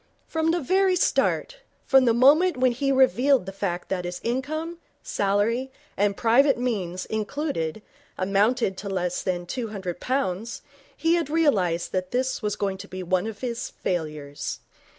From the very start, from the moment when he revealed the fact that his income, salary and private means included, amounted to less than two hundred pounds, he had realized that this was going to be one of his failures.